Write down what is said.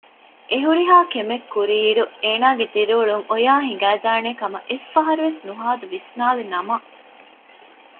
އެހުރިހާ ކެމެއްކުރިއިރު އޭނާގެ ދިރިއުޅުން އޮޔާ ހިނގައިދާނޭކަމަށް އެއްފަހަރުވެސް ނުހާދު ވިސްނާލިނަމަ